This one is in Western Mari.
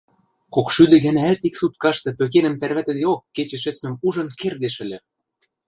кокшӱдӹ гӓнӓӓт ик суткашты пӧкенӹм тӓрвӓтӹдеок кечӹ шӹцмӹм ужын кердеш ыльы!